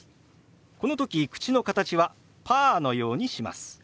この時口の形はパーのようにします。